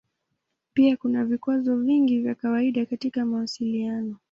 Pia kuna vikwazo vingi vya kawaida katika mawasiliano.